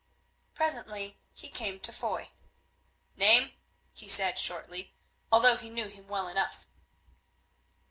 Presently he came to Foy. "Name?" he said, shortly, although he knew him well enough.